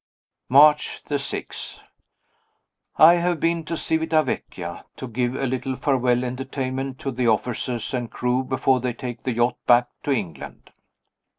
March 6. I have been to Civita Vecchia, to give a little farewell entertainment to the officers and crew before they take the yacht back to England.